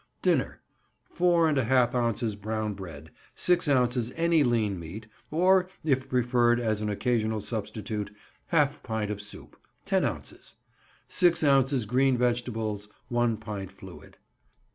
Dinner.—Four and a half ounces brown bread; six ounces any lean meat (or, if preferred as an occasional substitute, half pint of soup—ten ounces); six ounces green vegetables; one pint fluid.